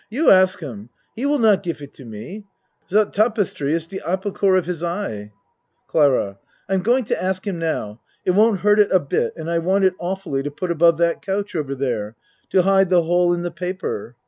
You ask him. He vill not gif it to me. Dot tapestry is de apple core of his eye. CLARA I'm going to ask him now. It won't hurt it a bit and I want it awfully to put above that couch over there to hide the hole in the pa per.